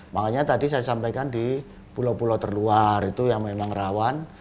makanya tadi saya sampaikan di pulau pulau terluar itu yang memang rawan